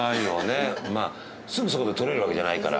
まあすぐそこでとれるわけじゃないから。